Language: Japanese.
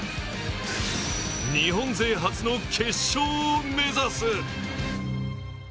日本勢初の決勝を目指す。